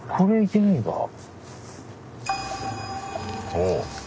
おお！